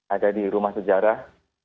ada di rumah sejarah